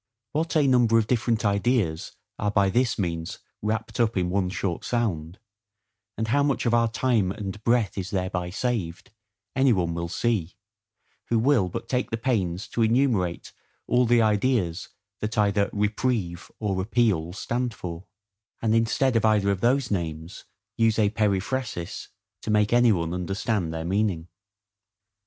What a number of different ideas are by this means wrapped up in one short sound, and how much of our time and breath is thereby saved, any one will see, who will but take the pains to enumerate all the ideas that either REPRIEVE or APPEAL stand for; and instead of either of those names, use a periphrasis, to make any one understand their meaning.